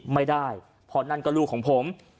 ไม่ได้เพราะนั่นก็ลูกของผม